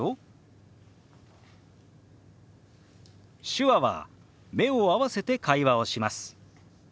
手話は目を合わせて会話をします。